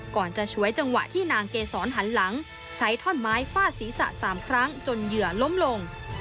ก่อนจะฉวยจังหวะที่นางเกษรหันหลังใช้ท่อนไม้ฟาดศีรษะ๓ครั้งจนเหยื่อล้มลง